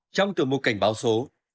trong tử mục cảnh báo số